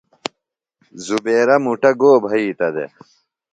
زبیرہ مُٹہ گو بھئِتہ دےۡ؟